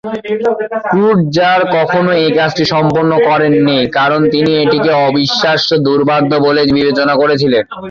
ক্রুটজার কখনোই এই কাজটি সম্পন্ন করেননি, কারণ তিনি এটিকে "অবিশ্বাস্যভাবে দুর্বোধ্য" বলে বিবেচনা করেছিলেন।